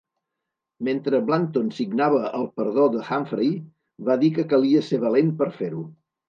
Mentre Blanton signava el perdó de Humphrey, va dir que calia ser valent per fer-ho.